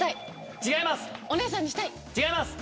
違います。